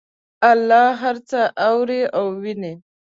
الله هر څه اوري او ویني